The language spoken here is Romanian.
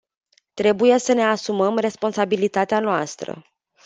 Trebuie să ne asumăm responsabilitatea noastră.